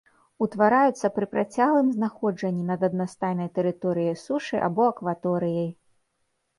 Утвараюцца пры працяглым знаходжанні над аднастайнай тэрыторыяй сушы або акваторыяй.